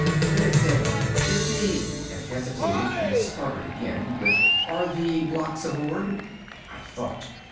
Then it said, "Is the " and hesitated, and started again with "Are the blocks aboard?" I thought.